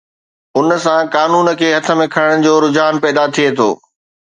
ان سان قانون کي هٿ ۾ کڻڻ جو رجحان پيدا ٿئي ٿو.